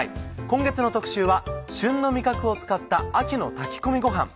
今月の特集は旬の味覚を使った秋の炊き込みごはん。